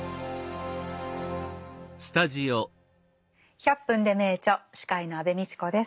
「１００分ｄｅ名著」司会の安部みちこです。